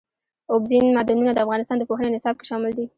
اوبزین معدنونه د افغانستان د پوهنې نصاب کې شامل دي.